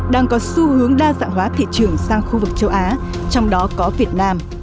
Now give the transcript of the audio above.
đang có xu hướng đa dạng hóa thị trường sang khu vực châu á trong đó có việt nam